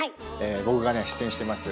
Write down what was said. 僕がね出演してます